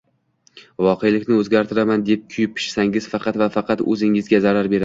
Voqelikni o’zgartiraman deb kuyib-pishishingiz faqat va faqat o’zingizga zarar beradi